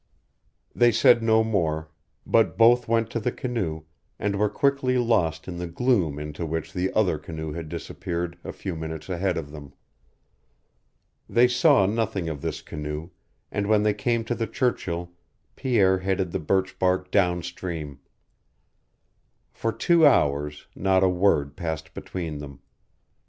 They said no more, but both went to the canoe, and were quickly lost in the gloom into which the other canoe had disappeared a few minutes ahead of them. They saw nothing of this canoe, and when they came to the Churchill Pierre headed the birch bark down stream. For two hours not a word passed between them.